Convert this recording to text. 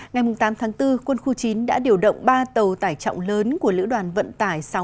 ngày tám tháng bốn quân khu chín đã điều động ba tàu tải trọng lớn của lữ đoàn vận tải sáu trăm bốn mươi